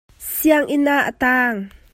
Sianginn ah a taang.